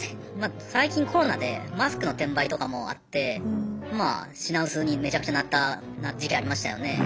最近コロナでマスクの転売とかもあってまあ品薄にめちゃくちゃなった時期ありましたよね。